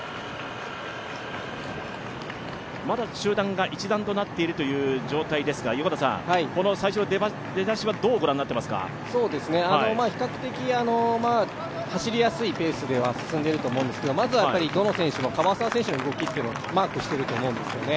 まだ集団が一団となっている状態ですが、この最初の出だしはどうご覧になってますか？比較的走りやすいペースでは進んでいると思うんですけどまずはどの選手も樺沢選手の動きをマークしていると思うんですよね。